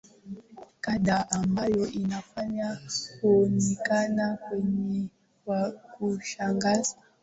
kadhaa ambayo inafanya kuonekana kwake kwa kushangaza